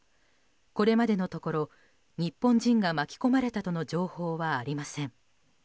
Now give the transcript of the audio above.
これまでのところ日本人が巻き込まれたとの情報はありません。